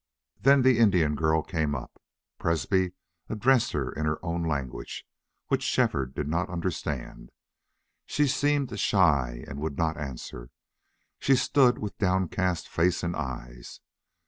Then the Indian girl came up. Presbrey addressed her in her own language, which Shefford did not understand. She seemed shy and would not answer; she stood with downcast face and eyes.